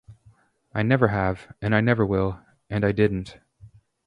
I never have, and I never will, and I didn't.